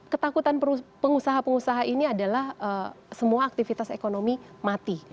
ketakutan pengusaha pengusaha ini adalah semua aktivitas ekonomi mati